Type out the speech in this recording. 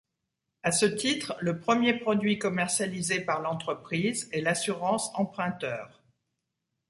A ce titre, le premier produit commercialisé par l’entreprise est l’assurance emprunteur.